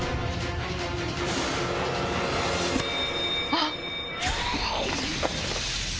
あっ！